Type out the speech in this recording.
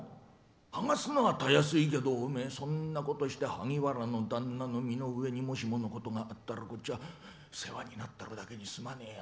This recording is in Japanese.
はがすのはたやすいけどおめえ、そんなことして萩原の旦那の身の上にもしものことがあったらこっちは世話になってるだけにすまねえよ。